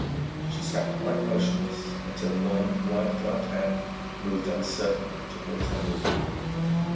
She sat quite motionless until one white gloved hand moved uncertainly toward her bosom.